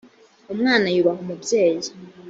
umwana yubaha umubyeyi.